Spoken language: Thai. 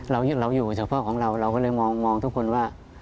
เราอยู่เฉพาะของเราเราก็เลยมองทุกคนว่า